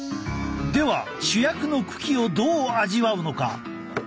では主役の茎をどう味わうのか。